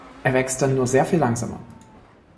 Es wächst dann nur sehr viel langsamer.